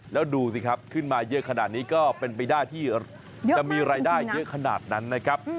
แล้วดูสิครับขึ้นมาเยอะขนาดนี้ก็เป็นไปได้ที่จะมีรายได้เยอะขนาดนั้นนะครับ